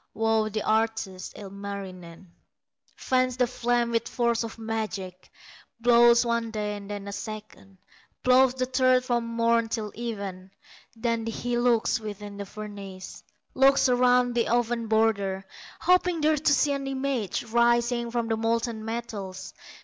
Wow the artist, Ilmarinen, Fans the flame with force of magic, Blows one day, and then a second, Blows the third from morn till even; Then he looks within the furnace, Looks around the oven border, Hoping there to see an image Rising from the molten metals.